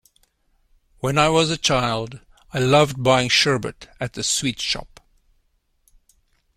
When I was a child, I loved buying sherbet at the sweet shop